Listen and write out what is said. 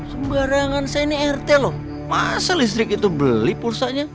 sembarangan saya ini rt loh masa listrik itu beli pulsanya